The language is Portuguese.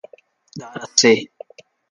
Dar a C